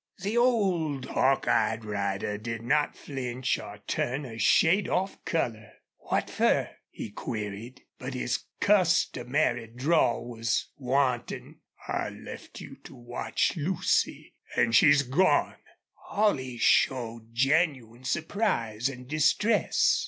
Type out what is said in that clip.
The old hawk eyed rider did not flinch or turn a shade off color. "What fer?" he queried. But his customary drawl was wanting. "I left you to watch Lucy.... An' she's gone!" Holley showed genuine surprise and distress.